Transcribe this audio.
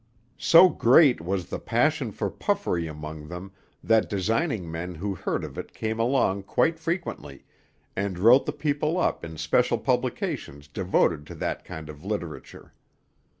So great was the passion for puffery among them that designing men who heard of it came along quite frequently, and wrote the people up in special publications devoted to that kind of literature.